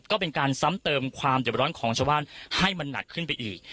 ก็เป็นการซ้ำเติมความเด็บร้อนของชาวบ้านให้มันหนักขึ้นไปอีก